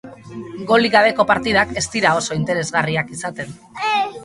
Golik gabeko partidak ez dira oso interesgarriak izaten.